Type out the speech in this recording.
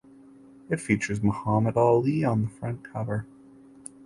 It features Muhammad Ali on the front cover.